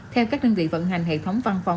theo các đơn vị vận hành hệ thống văn phòng